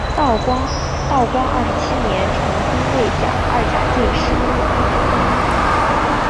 道光二十七年成丁未科二甲进士。